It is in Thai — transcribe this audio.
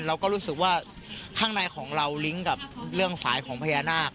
เราก็รู้สึกว่าข้างในของเราลิ้งกับเรื่องสายของพญานาค